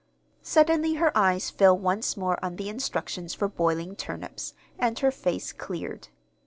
Suddenly her eyes fell once more on the instructions for boiling turnips, and her face cleared.